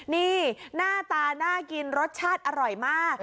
นี่หน้าตาน่ากินรสชาติอร่อยมาก